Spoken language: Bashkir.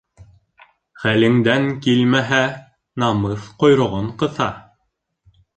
Хәлеңдән килмәһә, намыҫ ҡойроғон ҡыҫа.